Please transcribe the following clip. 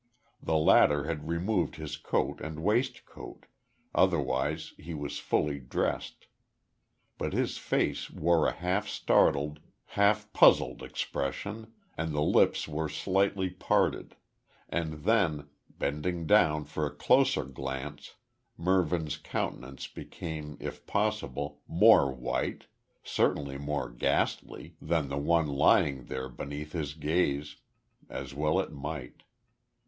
The latter had removed his coat and waistcoat, otherwise he was fully dressed. But his face wore a half startled, half puzzled expression, and the lips were slightly parted and then, bending down for a closer glance, Mervyn's countenance became if possible more white certainly more ghastly than the one lying there beneath his gaze, as well it might.